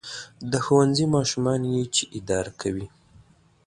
• د ښوونځي ماشومان یې چې اداره کوي.